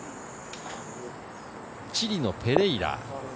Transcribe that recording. チリのペレイラ。